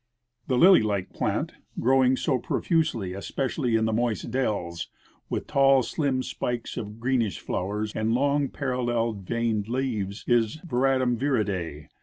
The lily like plant growing so pro fusely, especially in the moist dells, Avith tall, slim spikes of greenish floAvers and long parallel veined leaves, is Veratrum viride.